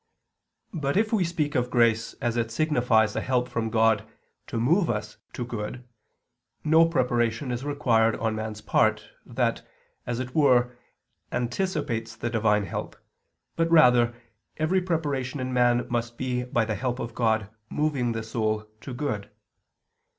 But if we speak of grace as it signifies a help from God to move us to good, no preparation is required on man's part, that, as it were, anticipates the Divine help, but rather, every preparation in man must be by the help of God moving the soul to good.